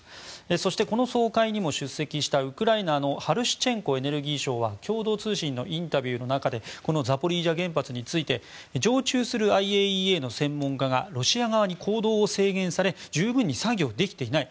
そして、この総会にも出席したウクライナのハルシチェンコエネルギー相は共同通信のインタビューの中でザポリージャ原発について常駐するＩＡＥＡの専門家がロシア側に行動を制限され十分に作業できていない。